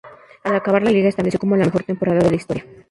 Al acabar la liga, se estableció como la mejor temporada de la historia.